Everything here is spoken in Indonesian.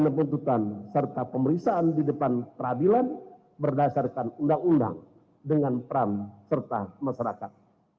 dan kebutuhan serta pemeriksaan di depan peradilan berdasarkan undang undang dengan peran serta masyarakat